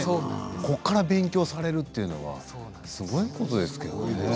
そこから勉強しようというのはすごいことですよね。